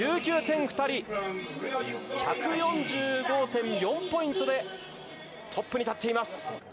飛型点は何と１４５．４ポイントでトップに立っています。